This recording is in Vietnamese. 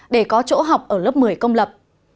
để có chỗ học ở lớp một mươi công lập